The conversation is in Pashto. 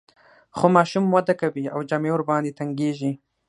خو ماشوم وده کوي او جامې ورباندې تنګیږي.